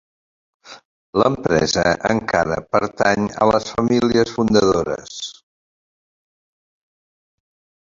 L'empresa encara pertany a les famílies fundadores.